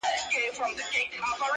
ستا پستې پستې خبري مي یا دېږي,